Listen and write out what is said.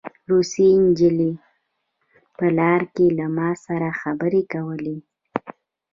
روسۍ نجلۍ په لاره کې له ما سره خبرې کولې